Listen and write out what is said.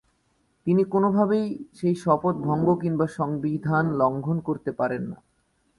তিনি কোনোভাবেই সেই শপথ ভঙ্গ কিংবা সংবিধান লঙ্ঘন করতে পারেন না।